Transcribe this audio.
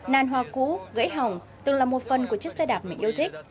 nan hoa cũ gãy hỏng từng là một phần của chiếc xe đạp mình yêu thích